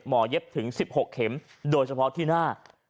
เย็บถึง๑๖เข็มโดยเฉพาะที่หน้า